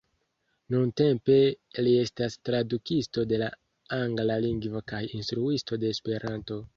Nuntempe li estas tradukisto de la Angla Lingvo kaj Instruisto de Esperanto.